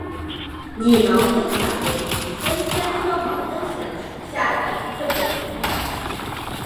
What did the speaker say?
拟毛灯藓为提灯藓科毛灯藓属下的一个种。